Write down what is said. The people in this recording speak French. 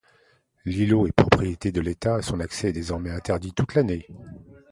L'îlot est propriété de l'État et son accès est désormais interdit toute l'année.